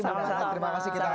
bu mersi terima kasih